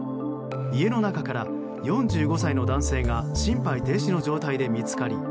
家の中から４５歳の男性が心肺停止の状態で見つかり